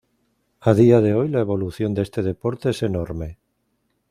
A día de hoy la evolución de este deporte es enorme.